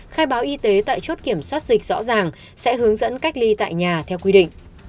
khai báo y tế tại chốt kiểm soát dịch rõ ràng sẽ hướng dẫn cách ly tại nhà theo quy định